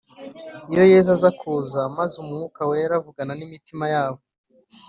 . Iyo Yesu aza kuza, maze Umwuka Wera avugana n’imitima yabo